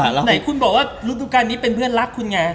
อเรนนี่ไหนคุณบอกว่ารูดด้วยกันนี้เป็นเพื่อนรักคุณไง